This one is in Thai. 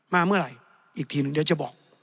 มาเมื่อไหร่อีกทีหนึ่งเดี๋ยวจะบอก